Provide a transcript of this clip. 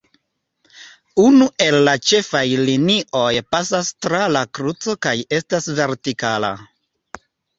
Unu el la ĉefaj linioj pasas tra la kruco kaj estas vertikala.